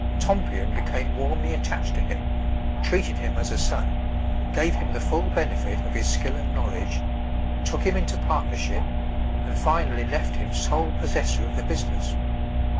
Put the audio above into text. Tompion became warmly attached to him, treated him as a son, gave him the full benefit of his skill and knowledge, took him into partnership, and finally left him sole possessor of the business.